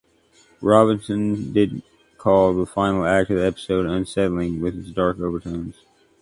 Robinson did call the final act of the episode "unsettling" with its dark overtones.